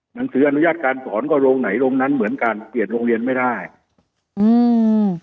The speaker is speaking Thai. หนังสืออนุญาตการสอนก็โรงไหนโรงนั้นเหมือนกันเปลี่ยนโรงเรียนไม่ได้อืม